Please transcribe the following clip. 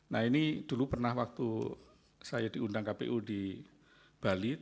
nah ini dulu pernah waktu saya diundang kpu di bali